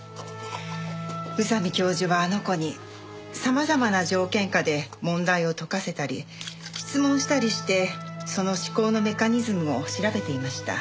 宇佐美教授はあの子に様々な条件下で問題を解かせたり質問したりしてその思考のメカニズムを調べていました。